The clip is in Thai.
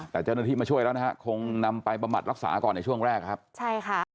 แบบก็บ้านของฉันเนี่ยต้องไปจำนำไงไง